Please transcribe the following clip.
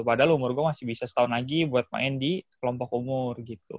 padahal umur gue masih bisa setahun lagi buat main di kelompok umur gitu